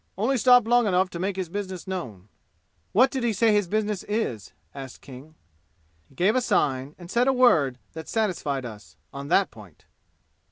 Only stopped long enough to make his business known." "What did he say his business is?" asked King. "He gave a sign and said a word that satisfied us on that point!"